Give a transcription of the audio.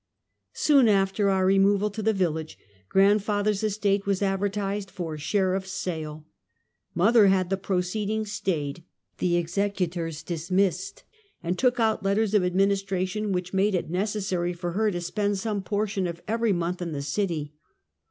Soon after our removal to the village, grandfather 's estate was advertised for sheriff's sale. Mother had the proceedings stayed, the executors dismissed, and took out letters of administration, which made it neces sary for her to spend some portion of every month in the city.